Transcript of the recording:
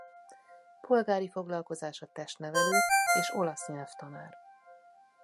Polgári foglalkozása testnevelő és olasz nyelvtanár.